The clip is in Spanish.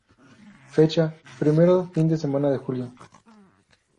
Fecha: primero fin de semana de julio.